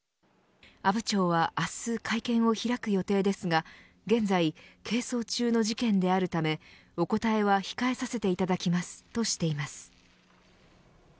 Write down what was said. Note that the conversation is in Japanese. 阿武町は明日会見を開く予定ですが現在係争中の事件であるためお答えは控えさせていただきますとしています。